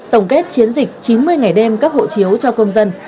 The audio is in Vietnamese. tổng kết chiến dịch chín mươi ngày đêm cấp hộ chiếu cho công dân